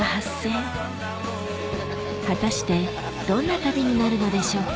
果たしてどんな旅になるのでしょうか？